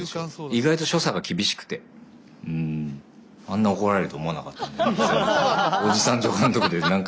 意外と所作が厳しくてあんな怒られると思わなかった。